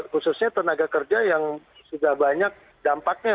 khususnya tenaga kerja yang sudah banyak dampaknya